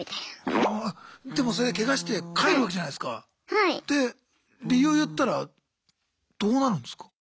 はぁでもそれでケガして帰るわけじゃないすか。で理由言ったらどうなるんですか？